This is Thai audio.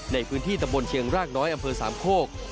ในพื้นที่ตำบลเชียงรากน้อยอำเภอสามโคก